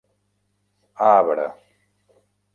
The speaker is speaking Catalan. Arbre: